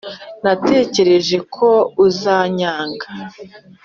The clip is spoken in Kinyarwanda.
natekereje ko uzanyanga ...